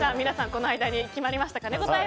この間に決まりましたかね。